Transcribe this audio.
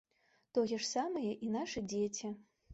Тое ж самае і нашы дзеці.